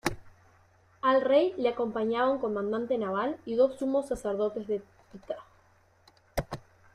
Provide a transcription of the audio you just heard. Al rey le acompañaba un comandante naval y dos sumos sacerdotes de Ptah.